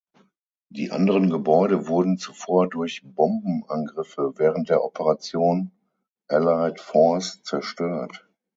Die anderen Gebäude wurden zuvor durch Bombenangriffe während der Operation Allied Force zerstört.